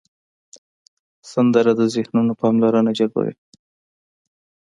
سندره د ذهنونو پاملرنه جلبوي